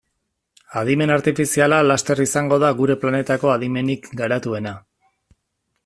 Adimen artifiziala laster izango da gure planetako adimenik garatuena.